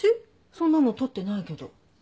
そんなのとってないけど？